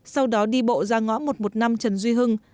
sau đó đi bộ ra ngõ một trăm một mươi năm trần duy hưng